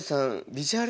ビジュアル